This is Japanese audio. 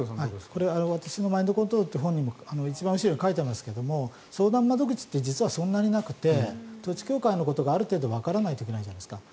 これは私の「マインドコントロール」という本の一番後ろに書いてありますが相談窓口ってそんなになくて統一教会のことがある程度わからないといけないじゃないですか。